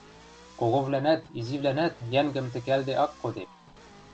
— коговлӓнӓт-изивлӓнӓт йӓнгӹм тӹкӓлде ак кодеп.